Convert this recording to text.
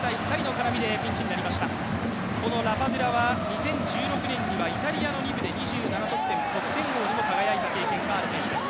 このラパドゥラは２０１６年にはイタリアの２部で２７得点、得点王にも輝いた経験がある選手です。